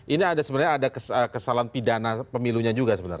ini sebenarnya ada kesalahan pidana pemilunya juga sebenarnya